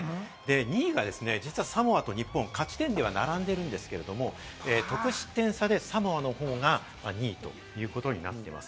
２位が実はサモアと日本、勝ち点では並んでいるんですけれど、得失点差でサモアの方が２位ということになっています。